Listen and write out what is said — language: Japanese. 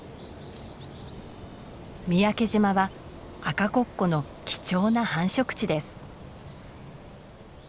三宅島はアカコッコの貴重な繁殖地です。